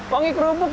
wangi kerupuk bro